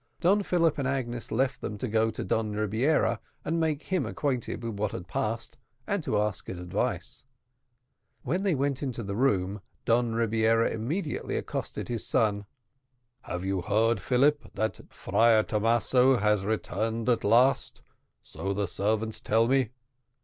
Don Philip and Agnes left them, to go to Don Rebiera, and make him acquainted with what had passed, and to ask his advice. When they went into the room, Don Rebiera immediately accosted his son. "Have you heard, Philip, that Friar Thomaso has returned at last? so the servants tell me."